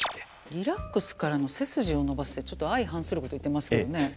リラックスからの背筋を伸ばすってちょっと相反すること言ってますけどね。